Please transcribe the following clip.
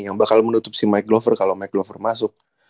yang bakal menutup si mike glover kalau mike glover masuk